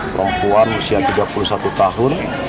perempuan usia tiga puluh satu tahun